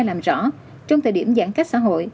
làm rõ trong thời điểm giãn cách xã hội